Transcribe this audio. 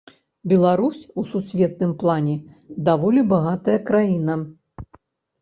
Беларусь у сусветным плане даволі багатая краіна.